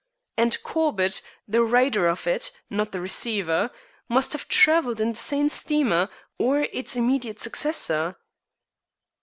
And Corbett, the writer of it, not the receiver, must have travelled in the same steamer, or its immediate successor."